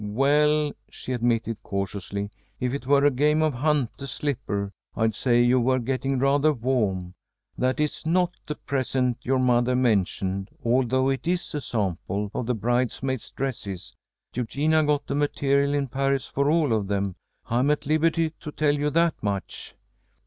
"Well," she admitted, cautiously, "if it were a game of hunt the slipper, I'd say you were getting rather warm. That is not the present your mother mentioned, although it is a sample of the bridesmaids' dresses. Eugenia got the material in Paris for all of them. I'm at liberty to tell you that much."